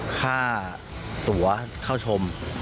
ค่าตัวเข้าชม